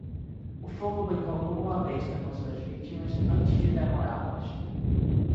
O fogo brincou como uma besta com suas vítimas antes de devorá-las.